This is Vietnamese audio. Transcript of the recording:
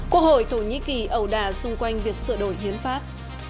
quốc hội thổ nhĩ kỳ ẩu đà xung quanh việc sửa đổi hiến pháp